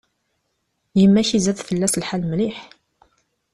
Yemma-k izad fell-as lḥal mliḥ.